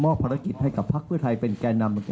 ภารกิจให้กับพักเพื่อไทยเป็นแก่นำ